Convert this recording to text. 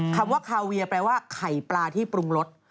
คำว่าคาเวียแปลว่าไข่ปลาที่ปรุงรส